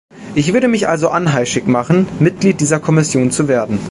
Ich würde mich also anheischig machen, Mitglied dieser Kommission zu werden.